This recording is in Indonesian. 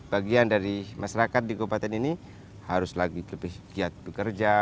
bagian dari masyarakat di kabupaten ini harus lagi lebih giat bekerja